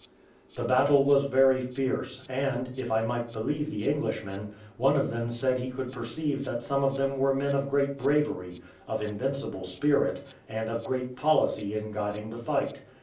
The battle was very fierce, and, if I might believe the Englishmen, one of them said he could perceive that some of them were men of great bravery, of invincible spirit, and of great policy in guiding the fight.